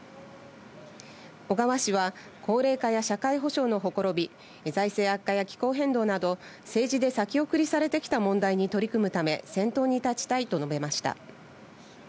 小川氏は高齢化や社会保障のほころび、財政悪化や気候変動など、政治で先送りされてきた問題に取り組むため、先頭に立ちたいと述べました。